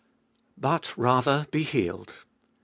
But rather be healed.